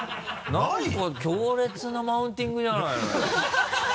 何か強烈なマウンティングじゃないの。